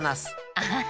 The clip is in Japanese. アハハ。